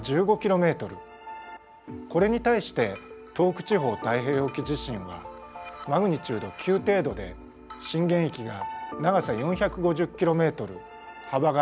これに対して東北地方太平洋沖地震はマグニチュード９程度で震源域が長さ４５０ｋｍ幅が１５０ｋｍ。